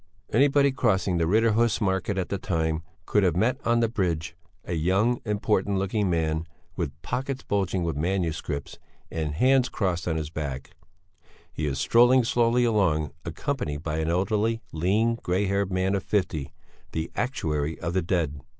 Anybody crossing the Riddarhus Market at that time could have met on the bridge a young, important looking man, with pockets bulging with manuscripts, and hands crossed on his back; he is strolling slowly along, accompanied by an elderly, lean, grey haired man of fifty, the actuary of the dead.